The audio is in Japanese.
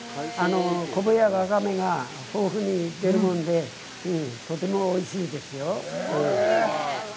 昆布やワカメが豊富に出るもんでとてもおいしいですよ。